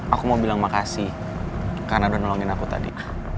aku mau bilang makasih karena udah nolongin aku tadi